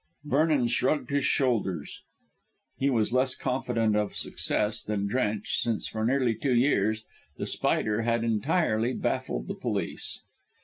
Vernon shrugged his shoulders. He was less confident of success than Drench, since for nearly two years The Spider had entirely baffled the police.